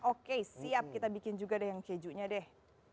oke siap kita bikin juga deh yang kejunya deh